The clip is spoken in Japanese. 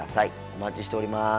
お待ちしております。